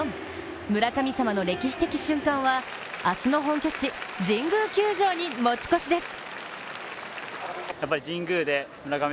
村神様の歴史的瞬間は明日の本拠地・神宮球場に持ち越しです。